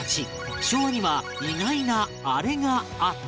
昭和には意外なあれがあった